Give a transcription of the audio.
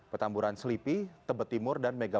petamburan selipi tebet timur dan megawati